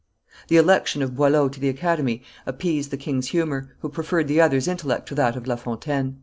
The election of Boileau to the Academy appeased the king's humor, who preferred the other's intellect to that of La Fontaine.